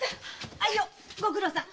はいよご苦労さん。